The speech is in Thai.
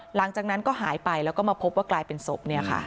หลังจากนั้นก็หายไปแล้วก็มาพบว่ากลายเป็นศพ